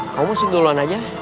kau masukan duluan aja